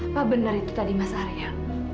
apa benar itu tadi mas arya